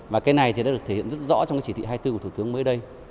và cái này thì đã được thể hiện rất rõ trong cái chỉ thị hai mươi bốn của thủ tướng mới đây